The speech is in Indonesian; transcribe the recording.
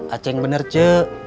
acing bener cik